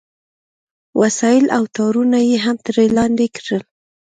وسایل او تارونه یې هم ترې لاندې کړل